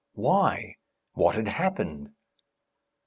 Why? What had happened?